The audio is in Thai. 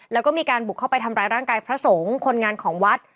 แล้วก็มีการบุกเข้าไปทำร้ายร่างกายพระสงฆ์คนงานของวัด